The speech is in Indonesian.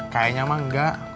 kayaknya mah enggak